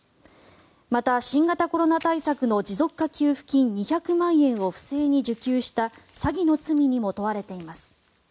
また、新型コロナ対策の持続化給付金２００万円を不正に受給した詐欺の罪にも問われています。